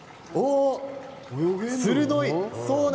鋭い。